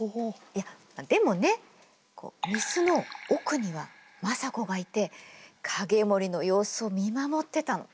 いやでもね御簾の奥には政子がいて景盛の様子を見守ってたの。